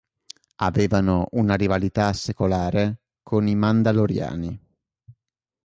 Avevano una rivalità secolare con i Mandaloriani.